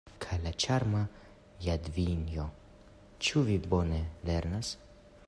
Kaj la ĉarma Jadvinjo, ĉu ŝi bone lernas?